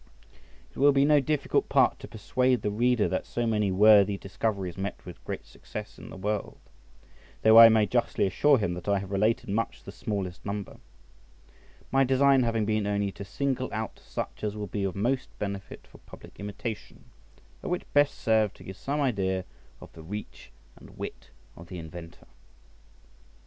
It will be no difficult part to persuade the reader that so many worthy discoveries met with great success in the world; though I may justly assure him that I have related much the smallest number; my design having been only to single out such as will be of most benefit for public imitation, or which best served to give some idea of the reach and wit of the inventor.